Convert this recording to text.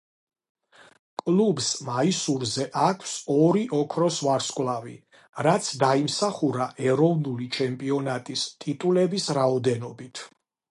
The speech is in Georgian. კლუბს მაისურზე აქვს ორი ოქროს ვარსკვლავი, რაც დაიმსახურა ეროვნული ჩემპიონატის ტიტულების რაოდენობით.